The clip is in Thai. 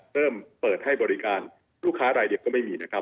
เปิดให้บริการลูกค้ารายเดียวก็ไม่มีนะครับ